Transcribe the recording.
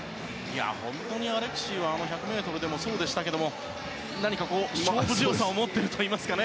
本当にアレクシーは１００ｍでもそうでしたが勝負強さを持っているというか。